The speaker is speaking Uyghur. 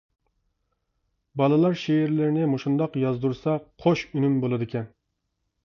بالىلار شېئىرلىرىنى مۇشۇنداق يازدۇرسا قوش ئۈنۈم بولىدىكەن.